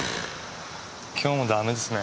今日もダメっすね。